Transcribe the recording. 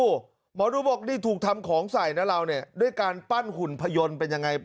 หมอดูบอกนี่ถูกทำของใส่นะเราเนี่ยด้วยการปั้นหุ่นพยนต์เป็นยังไง